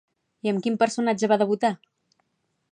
I amb quin personatge va debutar?